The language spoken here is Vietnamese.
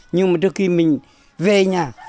nhưng mà trước khi mình về nhà